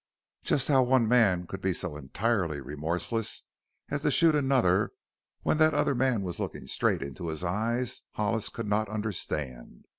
Just how one man could be so entirely remorseless as to shoot another when that other man was looking straight into his eyes Hollis could not understand.